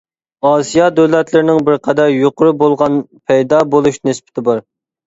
ئاسىيا دۆلەتلىرىنىڭ بىرقەدەر يۇقىرى بولغان پەيدا بولۇش نىسبىتى بار.